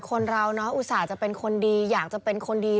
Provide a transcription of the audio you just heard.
คนเราเนอะอุตส่าห์จะเป็นคนดีอยากจะเป็นคนดี